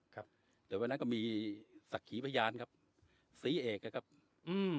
ครับแต่วันนั้นก็มีศักดิ์ขีพยานครับศรีเอกนะครับอืม